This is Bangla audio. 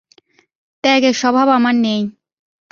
ত্যাগের স্বভাব আমার নেই।